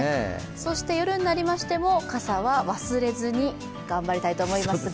夜になりましても、傘は忘れずに、頑張りたいと思いますが。